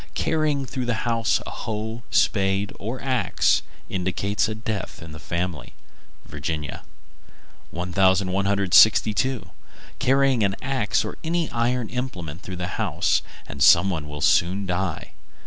Carrying through the house a hoe, spade, or axe indicates a death in the family. Virginia. 1162. Carry an axe or any iron implement through the house, and some one will soon die.